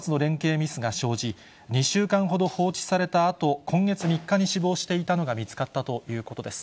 ミスが生じ、２週間ほど放置されたあと、今月３日に死亡していたのが見つかったということです。